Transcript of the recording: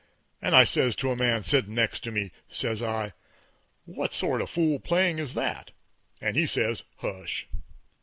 And I says to a man sittin' next to me, says I, "What sort of fool playin' is that?" And he says, "Heish!"